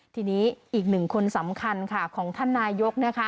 ทีนี้อีกหนึ่งคนสำคัญค่ะของท่านนายกนะคะ